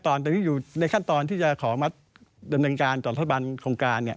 ตอนนี้อยู่ในขั้นตอนที่จะขอมัดดำเนินการจอดทัศนบันโครงการ